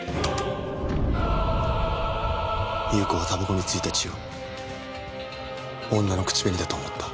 裕子はタバコについた血を女の口紅だと思った。